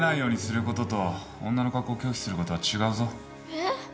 えっ？